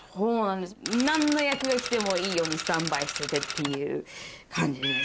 何の役が来てもいいようにスタンバイしててっていう感じです。